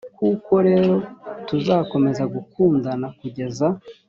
koko rero tuzakomeza gukundana kugeza